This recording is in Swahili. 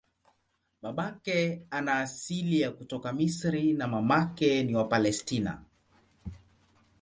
Babake ana asili ya kutoka Misri na mamake ni wa Palestina.